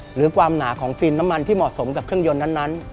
หรือความหนาของฟิล์มน้ำมันที่เหมาะสมกับเครื่องยนต์นั้น